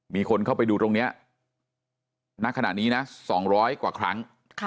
มีคนเข้าไปดูตรงนี้ณขณะนี้นะ๒๐๐กว่าครั้ง